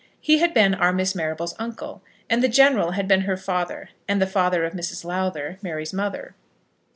He had been our Miss Marrable's uncle, and the General had been her father, and the father of Mrs. Lowther, Mary's mother.